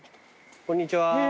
こんにちは。